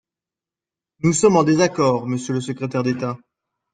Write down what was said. Nous sommes en désaccord, monsieur le secrétaire d’État.